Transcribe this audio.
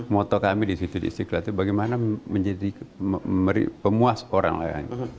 moto kami di situ di istiqlal itu bagaimana menjadi pemuas orang lain